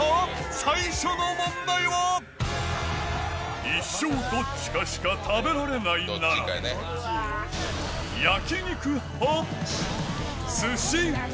最初の問題は、一生どっちかしか食べられないなら、焼き肉派？